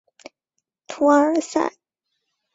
图阿尔塞。